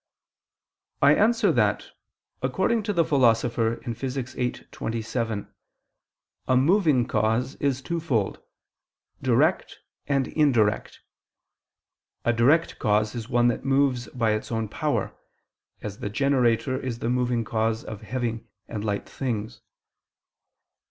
I answer that, According to the Philosopher (Phys. viii, 27) a moving cause is twofold, direct and indirect. A direct cause is one that moves by its own power, as the generator is the moving cause of heavy and light things.